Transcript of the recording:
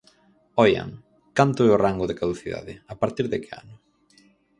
¡Oian!, ¿canto é o rango de caducidade?, ¿a partir de que ano?